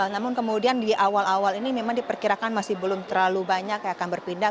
namun kemudian di awal awal ini memang diperkirakan masih belum terlalu banyak yang akan berpindah